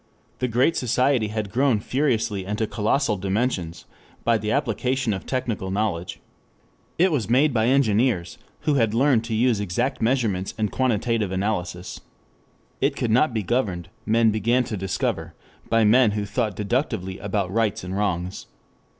The Great Society had grown furiously and to colossal dimensions by the application of technical knowledge. It was made by engineers who had learned to use exact measurements and quantitative analysis. It could not be governed, men began to discover, by men who thought deductively about rights and wrongs.